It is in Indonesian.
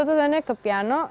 terus ternyata ke piano